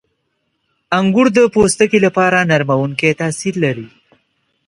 • انګور د پوستکي لپاره نرمونکی تاثیر لري.